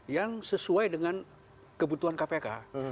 yang sesuai dengan kebutuhan kpk